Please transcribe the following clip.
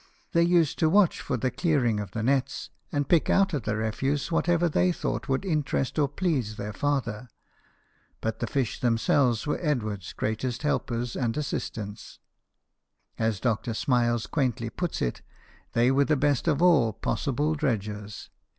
They used to watch for the clearing of the nets, and pick out of the refuse what ever they thought would interest or please their father. But the fish themselves were Edward's greatest helpers and assistants. As Dr. Smiles quaintly puts it, they were the best of all possible dredgers.